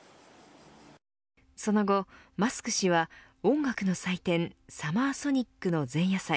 その後、マスク氏は音楽の祭典サマーソニックの前夜祭